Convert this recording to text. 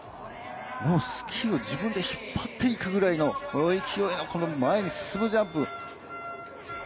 スキーを自分で引っ張っていくくらいの勢いのある、前に進むジャンプ。